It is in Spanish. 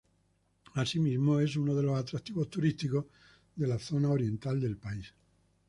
Asimismo, es uno de los atractivos turísticos de la zona oriental del país.